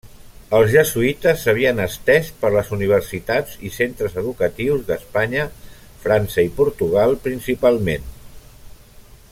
Els jesuïtes s'havien estès per les universitats i centres educatius d'Espanya, França i Portugal principalment.